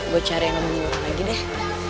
gue cari yang lebih murah lagi deh